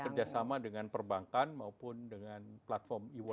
bekerjasama dengan perbankan maupun dengan platform e wallet